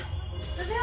食べよ！